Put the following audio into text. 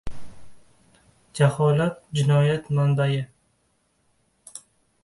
• Jaholat — jinoyat manbasi.